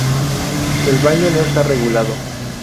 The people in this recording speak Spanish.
El baño no está regulado.